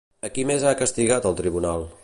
A qui més ha castigat el Tribunal?